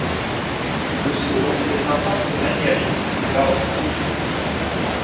Le second est un peintre maniériste et baroque primitif.